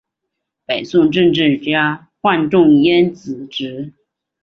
北宋政治家范仲淹子侄。